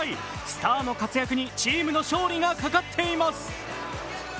スターの活躍にチームの勝利がかかっています。